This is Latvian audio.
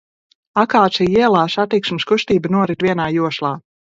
Akāciju ielā satiksmes kustība norit vienā joslā.